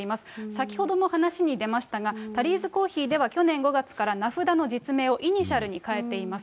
先ほども話に出ましたが、タリーズコーヒーでは去年５月から、名札の実名をイニシャルにかえています。